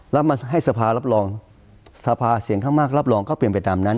แล้วมาให้สภารับรองสภาเสียงข้างมากรับรองก็เป็นไปตามนั้น